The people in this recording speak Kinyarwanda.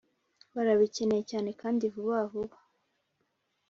barabikeneye cyane kandi vubabuba